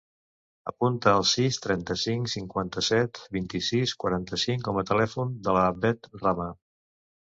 Apunta el sis, trenta-cinc, cinquanta-set, vint-i-sis, quaranta-cinc com a telèfon de la Beth Rama.